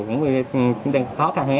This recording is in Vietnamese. cũng khó khăn hơn em